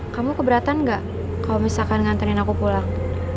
kamu keberatan gak kalo misalkan nganterin aku pulang